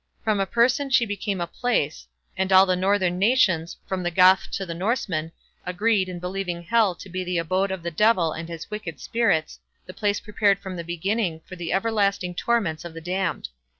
From a person she became a place, and all the Northern nations, from the Goth to the Norseman, agreed in believing Hell to be the abode of the devil and his wicked spirits, the place prepared from the beginning for the everlasting torments of the damned.